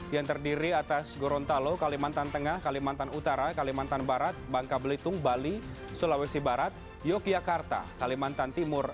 yang terdiri atas gorontalo kalimantan tengah kalimantan utara kalimantan barat bangka belitung bali sulawesi barat yogyakarta kalimantan timur